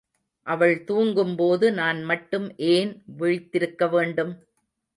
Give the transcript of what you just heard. அவள் தூங்கும்போது நான் மட்டும் ஏன் விழித்திருக்க வேண்டும்?